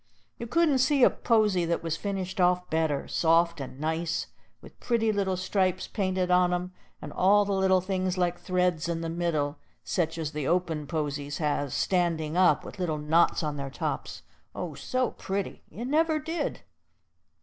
You couldn't see a posy that was finished off better, soft and nice, with pretty little stripes painted on 'em, and all the little things like threads in the middle, sech as the open posies has, standing up, with little knots on their tops, oh, so pretty, you never did!